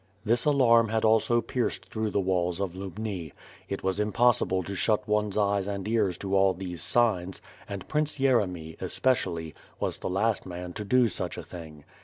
This alarm had also pierced through the walls of Lubni. It was impossible to shut one's eyes and ears to all these signs; and Prince Yeremiy, especially, was the last man to do such a thing.